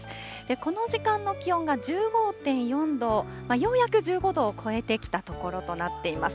この時間の気温が１５．４度、ようやく１５度を超えてきたところとなっています。